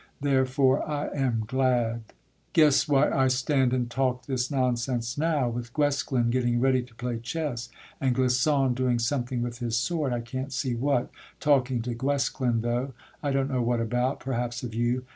Therefore I am glad. Guess why I stand and talk this nonsense now, With Guesclin getting ready to play chess, And Clisson doing something with his sword, I can't see what, talking to Guesclin though, I don't know what about, perhaps of you.